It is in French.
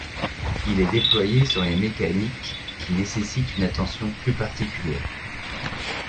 Il est déployé sur les mécaniques qui nécessitent une attention plus particulière.